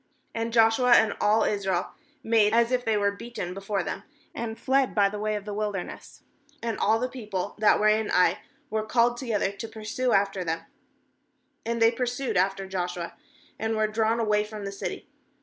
16And Joshua and all Israel made as if they were beaten before them, and fled by the way of the wilderness. 16And all the people that were in Ai were called together to pursue after them; and they pur sued after Joshua, and were drawn away from the city.